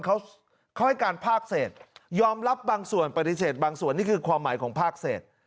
เขาให้การภาคเศษยอมรับบางส่วนปฏิเสธบางส่วนนี่คือความหมายของภาคเศษ